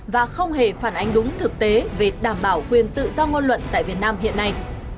và không hề phản ánh đúng thực tế về đảm bảo quyền tự do ngôn luận tại việt nam hiện nay